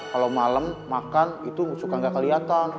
kalau malam makan itu suka nggak kelihatan